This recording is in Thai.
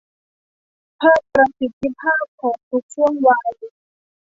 เพิ่มประสิทธิภาพของทุกช่วงวัย